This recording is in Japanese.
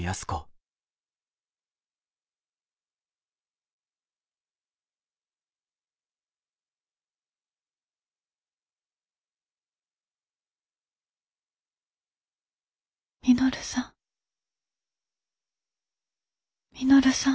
心の声稔さん。